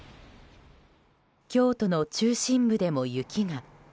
京都の中心部でも雪が。